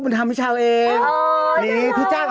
มันทำเพื่อเช้าเองเออใช่